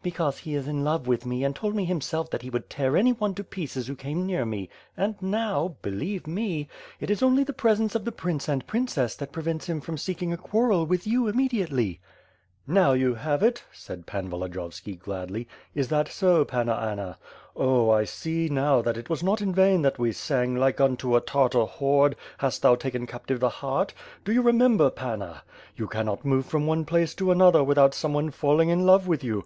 "Because he is in love with me and told me himself that he would tear anyone to pieces who came near me and now — believe me — ^it is only the presence of the prince and princess that prevents him from seeking a quarrel with you imme diately/* "Now you have it! said Pan Volodiyovski; gladly. "Is that so, Panna Anna? Oh, I see now that it was not in vain that we sang, ^Like unto a Tartar horde, hast thou taken captive the heart/ Do you remember, Pannaj* You cannot move from one place to another without someone falling in love with you?"